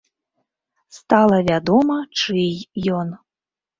Стала вядома, чый ён.